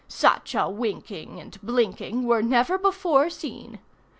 Such a winking and blinking were never before seen.